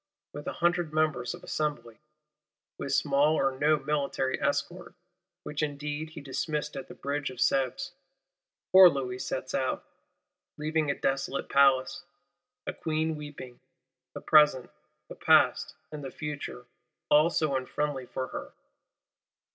With a Hundred Members of Assembly; with small or no military escort, which indeed he dismissed at the Bridge of Sèvres, poor Louis sets out; leaving a desolate Palace; a Queen weeping, the Present, the Past, and the Future all so unfriendly for her.